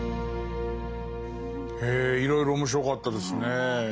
へえいろいろ面白かったですね。